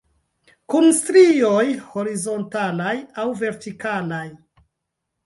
Kun strioj horizontalaj aŭ vertikalaj?